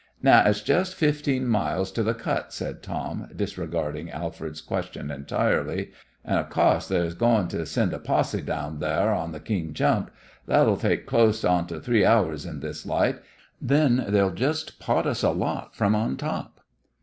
"Now, it's jest fifteen mile to th' cut," said Tom, disregarding Alfred's question entirely, "an' of co'se they's goin' to send a posse down thar on th' keen jump. That'll take clost onto three hours in this light. Then they'll jest pot us a lot from on top."